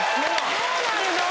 どうなんの？